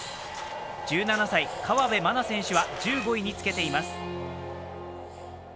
１７歳、河辺愛菜選手は１５位につけています。